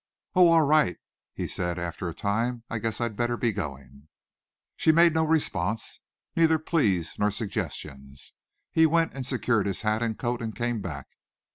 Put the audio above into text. "Oh, all right," he said after a time. "I guess I'd better be going." She made no response, neither pleas nor suggestions. He went and secured his hat and coat and came back.